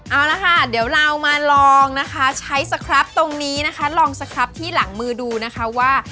เอาละค่ะเดี๋ยวเรามาลองนะคะใช้สครับตรงนี้นะคะลองสครับที่หลังมือดูนะคะว่า